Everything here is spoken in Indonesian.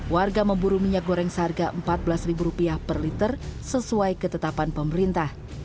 warga memburu minyak goreng seharga rp empat belas per liter sesuai ketetapan pemerintah